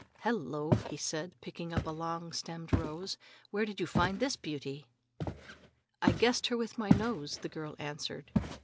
"Hello!" he said, picking up a long stemmed rose, "where did you find this beauty?" "I guessed her with my nose," the girl answered.